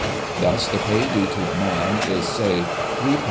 Thus the pay due to a man is, say, £3, 19s.